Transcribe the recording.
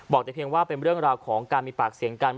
แต่เพียงว่าเป็นเรื่องราวของการมีปากเสียงกัน